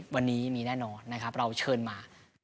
วันนี้มีแน่นอนนะครับเราเชิญมา